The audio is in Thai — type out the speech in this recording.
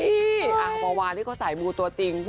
เมื่อวานด้านนี้เขาสายมูตัวจริง